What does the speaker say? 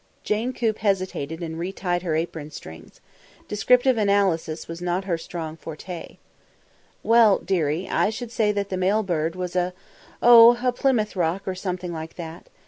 Jane Coop hesitated, and re tied her apron strings. Descriptive analysis was not her strong forte. "Well, dearie, I should say that the male bird was a a oh! a Plymouth Rock, or something like that.